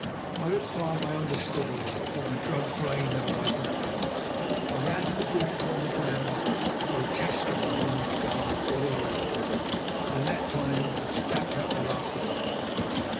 By this time I understood all, for my drugged brain had awakened at last. I ran to the brute upon the ground; grotesque in my woman's garments all awry, I leaped on him and stamped out the last of his life.